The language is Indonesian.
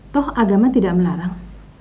toh agama tidak melarang